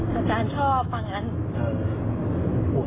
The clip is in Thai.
ผมไม่เคยไปยุ่มหรอก